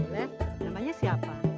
nek namanya siapa